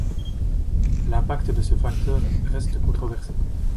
L'impact de ce facteur reste controversé.